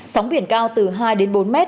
sóng biển cao từ hai đến bốn m